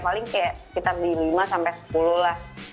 paling kayak sekitar di lima sampai sepuluh lah